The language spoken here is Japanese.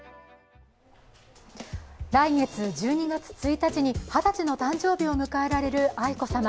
来月１２月１日に二十歳の誕生日を迎えられる愛子さま。